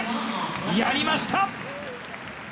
やりました！